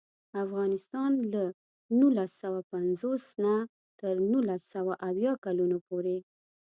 افغانستان له نولس سوه پنځوس نه تر نولس سوه اویا کلونو پورې.